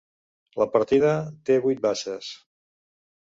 La partida té vuit bases.